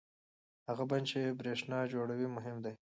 هغه بند چې برېښنا جوړوي مهم دی.